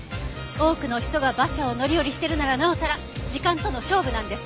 多くの人が馬車を乗り降りしてるならなおさら時間との勝負なんです！